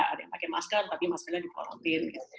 ada yang pakai masker tapi maskernya di quarantine